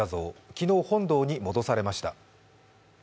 昨日、本堂に戻されました。